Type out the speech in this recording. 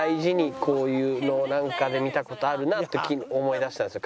こういうのをなんかで見た事あるなって思い出したんですよ